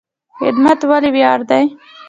خدمت ولې ویاړ دی؟